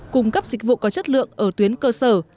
cung cấp dịch vụ có chất lượng ở tuyến cơ sở